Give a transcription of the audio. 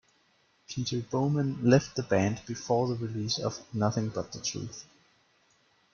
Peter Bowman left the band before the release of "Nothing But the Truth".